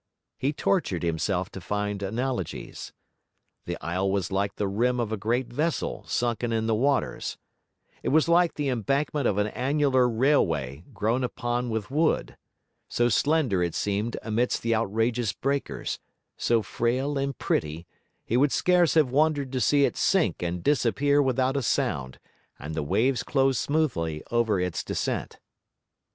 He tortured himself to find analogies. The isle was like the rim of a great vessel sunken in the waters; it was like the embankment of an annular railway grown upon with wood: so slender it seemed amidst the outrageous breakers, so frail and pretty, he would scarce have wondered to see it sink and disappear without a sound, and the waves close smoothly over its descent.